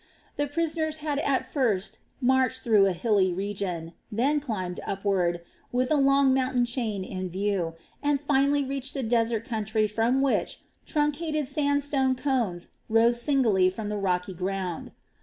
The prisoners had at first marched through a hilly region, then climbed upward, with a long mountain chain in view, and finally reached a desert country from which truncated sandstone cones rose singly from the rocky ground.